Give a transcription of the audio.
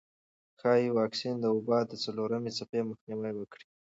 ښايي واکسین د وبا د څلورمې څپې مخنیوی وکړي.